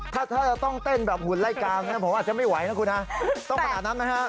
ถ้าจะต้องเต้นแบบหุ่นไร้กลางผมอาจจะไม่ไหวนะคุณฮะ